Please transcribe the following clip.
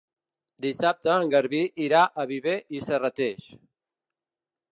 Dissabte en Garbí irà a Viver i Serrateix.